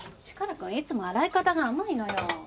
チカラくんいつも洗い方が甘いのよ。